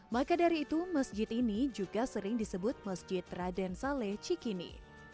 maka dari itu masjid ini juga sering disebut masjid raden saleh cikini